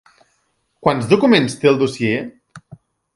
Quants documents té el dossier?